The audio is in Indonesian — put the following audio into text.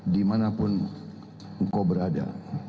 dimanapun engkau berada